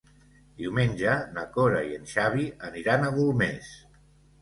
Diumenge na Cora i en Xavi aniran a Golmés.